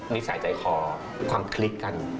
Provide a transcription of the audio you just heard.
นิสัยใจคอความคลิกกัน